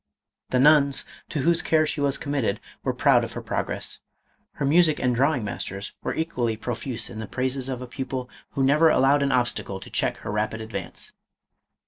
The nuns, to whose care she was committed, were proud of her progress. Her music and drawing masters were equally profuse in the praises of a pupil who never al lowed an obstacle to check her rapid advance.